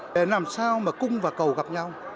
để làm sao mà cung và cầu gặp nhau